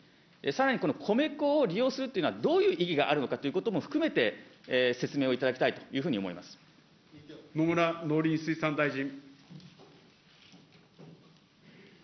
さらにこの米粉を利用するというのは、どういう意義があるということも含めて、説明をいただきたいとい野村農林水産大臣。